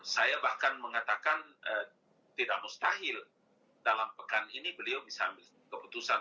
saya bahkan mengatakan tidak mustahil dalam pekan ini beliau bisa ambil keputusan